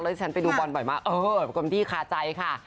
แล้วฉันไปดูบอลบ่อยมากเออความที่คาใจค่ะ